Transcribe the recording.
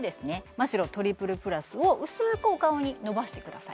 マ・シロトリプルプラスを薄くお顔にのばしてください